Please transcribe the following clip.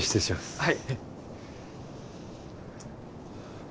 はい。